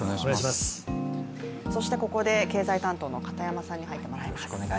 そしてここで経済担当の片山さんに入っていただきます。